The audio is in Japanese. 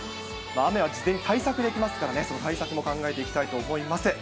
雨は事前に対策できますからね、その対策も考えていきたいと思います。